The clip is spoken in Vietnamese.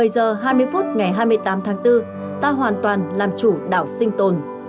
một mươi giờ hai mươi phút ngày hai mươi tám tháng bốn ta hoàn toàn làm chủ đảo sinh tồn